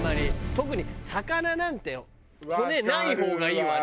特に魚なんて骨ない方がいいわね。